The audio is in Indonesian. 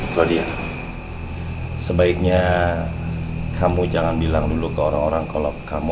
claudia sebaiknya kamu jangan bilang dulu ke orang orang kalau kamu anak papa sama om